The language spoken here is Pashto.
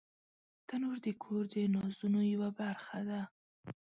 تنور د کور د نازونو یوه برخه ده